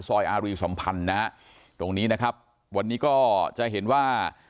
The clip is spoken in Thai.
อารีสัมพันธ์นะฮะตรงนี้นะครับวันนี้ก็จะเห็นว่า